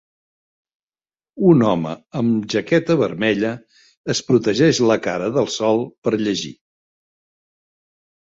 Un home amb jaqueta vermella es protegeix la cara del sol per llegir.